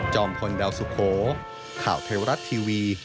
จอมพลดาวสุโขข่าวเทวรัตน์ทีวี